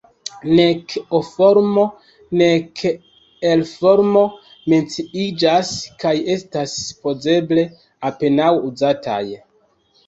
Nek O-formo, nek I-formo menciiĝas, kaj estas supozeble apenaŭ uzataj.